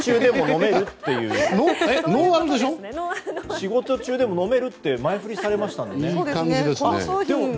仕事中でも飲めると前振りされましたからね。